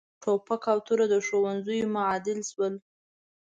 ټوپک او توره د ښوونځیو معادل شول.